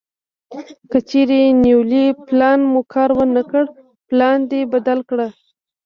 کچېرې نیولی پلان مو کار ونه کړ پلان دې بدل کړه.